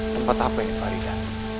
tempat apa ini faridah